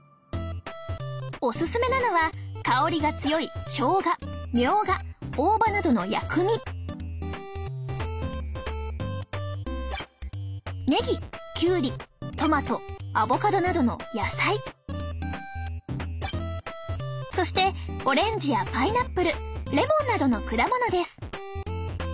オススメなのは香りが強いしょうがみょうが大葉などの薬味ねぎきゅうりトマトアボカドなどの野菜そしてオレンジやパイナップルレモンなどの果物です